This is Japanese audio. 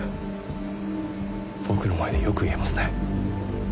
僕の前でよく言えますね。